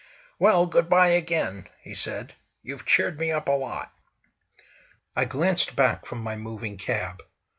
"Well, good by again!" he said: "You've cheered me up a lot!" I glanced back from my moving cab.